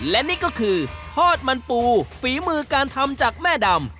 และนี่ก็คือทอดมันปูฝีมือการทำจากแม่ดำ